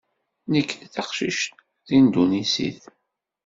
Nekk d taqcict tindunisit.